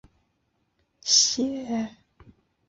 现在使用的图瓦语用一种俄语字母的变体书写。